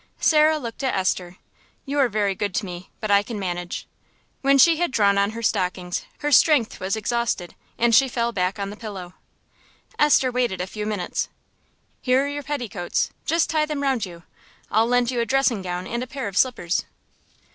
Sarah looked at Esther. "You're very good to me, but I can manage." When she had drawn on her stockings her strength was exhausted, and she fell back on the pillow. Esther waited a few minutes. "Here're your petticoats. Just tie them round you; I'll lend you a dressing gown and a pair of slippers."